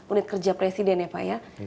unit kerja presiden ya pak ya